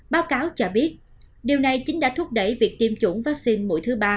báo cáo cho biết điều này chính đã thúc đẩy việc tiêm chủng vaccine mũi thứ ba